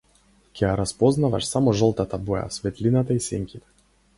Ќе ја распознаваш само жолтата боја, светлината и сенките.